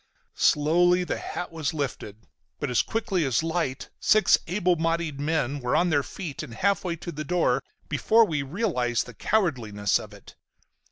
Slowly the hat was lifted, but as quickly as light six able bodied men were on their feet and half way to the door before we realized the cowardliness of it.